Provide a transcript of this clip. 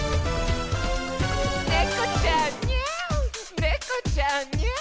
「ネコちゃんニャアネコちゃんニャア」